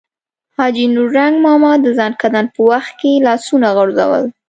حاجي نورنګ ماما د ځنکدن په وخت کې لاسونه غورځول.